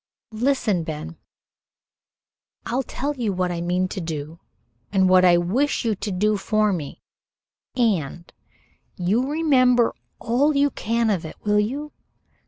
Listen, Ben. I'll tell you what I mean to do and what I wish you to do for me and you remember all you can of it, will you?